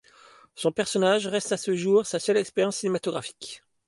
Son personnage reste à ce jour sa seule expérience cinématographique.